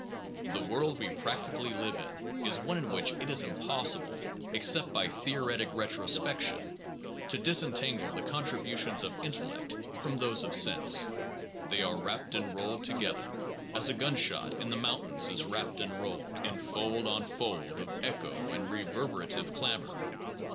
The world we practically live in is one in which it is impossible, except by theoretic retrospection, to disentangle the con tributions of intellect from those of sense. They are wrapt and rolled together as a gunshot in the mountains is wrapt and rolled in fold on fold of echo and reverberative clamor.